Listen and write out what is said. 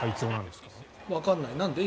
わからない。